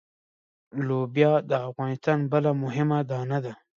لوبیا د افغانستان بله مهمه دانه ده.